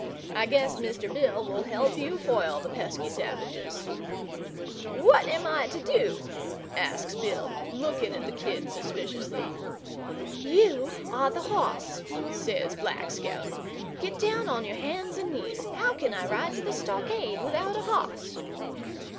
I guess Mr. Bill will help you foil the pesky savages." "What am I to do?" asks Bill, looking at the kid suspiciously. "You are the hoss," says Black Scout. "Get down on your hands and knees. How can I ride to the stockade without a hoss?"